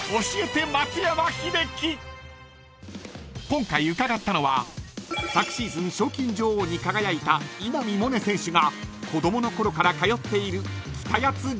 ［今回伺ったのは昨シーズン賞金女王に輝いた稲見萌寧選手が子供のころから通っている北谷津ゴルフガーデン］